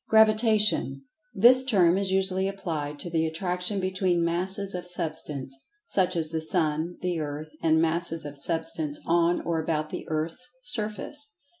Gravitation: This term is usually applied to the attraction between Masses of Substance, such as the Sun, the Earth, and Masses of Substance on or about the Earth's surface.